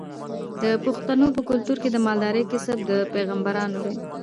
د پښتنو په کلتور کې د مالدارۍ کسب د پیغمبرانو دی.